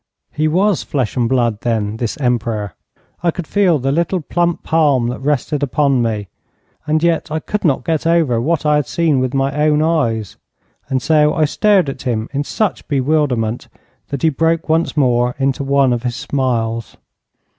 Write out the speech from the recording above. He was flesh and blood, then, this Emperor. I could feel the little, plump palm that rested upon me. And yet I could not get over what I had seen with my own eyes, and so I stared at him in such bewilderment that he broke once more into one of his smiles.